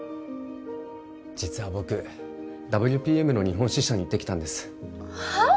実は僕ＷＰＭの日本支社に行ってきたんですはっ！？